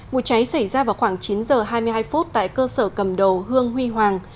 vụ cháy xảy ra vào khoảng chín h hai mươi hai phút tại cơ sở cầm đồ hương huy hoàng